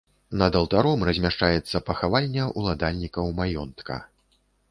Пад алтаром размяшчаецца пахавальня ўладальнікаў маёнтка.